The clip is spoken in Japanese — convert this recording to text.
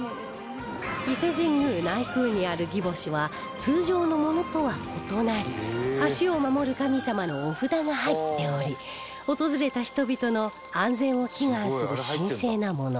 伊勢神宮内宮にある擬宝珠は通常のものとは異なり橋を守る神様のお札が入っており訪れた人々の安全を祈願する神聖なもの